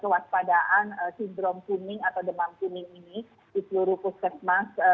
kewaspadaan sindrom kuning atau demam kuning ini di seluruh puskesmas